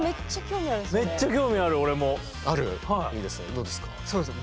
どうですか？